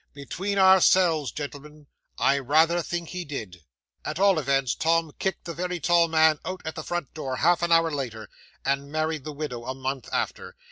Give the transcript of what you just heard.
Between ourselves, gentlemen, I rather think he did. 'At all events, Tom kicked the very tall man out at the front door half an hour later, and married the widow a month after.